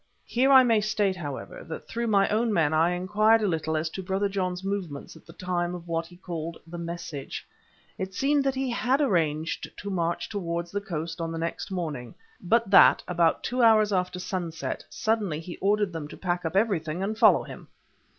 Here I may state, however, that through my own men I inquired a little as to Brother John's movements at the time of what he called the message. It seemed that he had arranged to march towards the coast on the next morning, but that about two hours after sunset suddenly he ordered them to pack up everything and follow him.